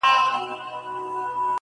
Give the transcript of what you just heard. اوس په ساندو كيسې وزي له كابله!